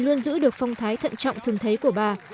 công đảng đã giữ được phong thái thận trọng thường thấy của bà